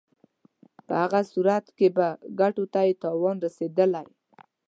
په هغه صورت کې به ګټو ته یې تاوان رسېدلی.